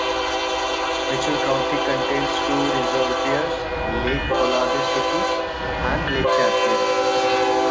Mitchell County contains two reservoirs, Lake Colorado City and Lake Champion.